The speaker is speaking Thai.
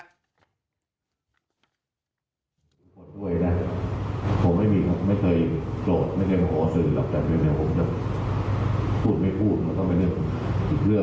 ดิสนานรายยกตอบทุกวันทุกวัน